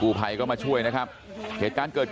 แล้วป้าไปติดหัวมันเมื่อกี้แล้วป้าไปติดหัวมันเมื่อกี้